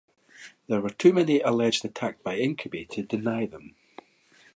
There were too many alleged attacks by incubi to deny them.